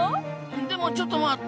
でもちょっと待った！